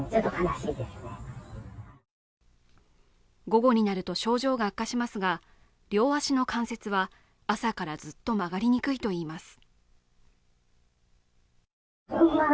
午後になると症状が悪化しますが両足の関節は朝からずっと曲がりにくいといいます。